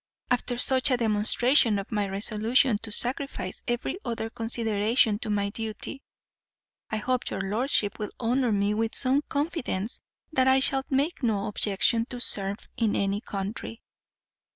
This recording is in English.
After such a demonstration of my resolution to sacrifice every other consideration to my duty, I hope your lordship will honour me with some confidence that I shall make no objection to serve in any country."